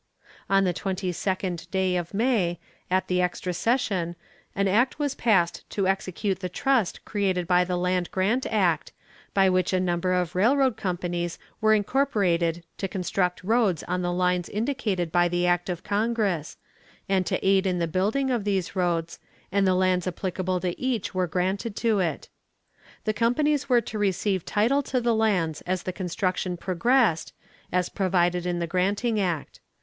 On the twenty second day of May, at the extra session, an act was passed to execute the trust created by the land grant act, by which a number of railroad companies were incorporated to construct roads on the lines indicated by the act of congress, and to aid in the building of these roads, and the lands applicable to each were granted to it. The companies were to receive title to the lands as the construction progressed, as provided in the granting act.